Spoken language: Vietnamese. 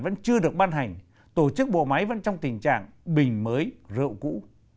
vẫn chưa được ban hành tổ chức bộ máy vẫn trong tình trạng bình mới rượu cũ